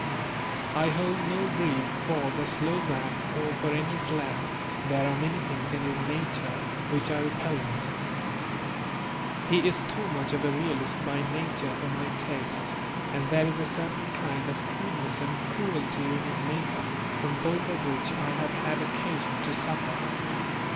I hold no brief for the Slovak or for any Slav; there are many things in his nature which are repellent. He is too much of a realist by nature for my taste, and there is a certain kind of crudeness and cruelty in his make up, from both of which I have had occasion to suffer.